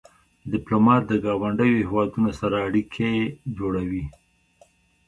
ډيپلومات د ګاونډیو هېوادونو سره اړیکې جوړوي.